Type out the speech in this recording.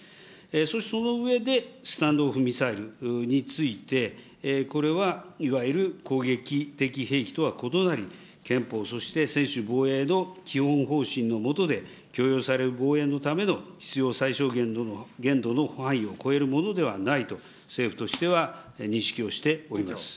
そしてその上で、スタンド・オフ・ミサイルについて、これはいわゆる攻撃的兵器とは異なり、憲法そして専守防衛の基本方針の下で、許容される防衛のための必要最小限度の範囲を超えるものではないと、政府としては認識をしております。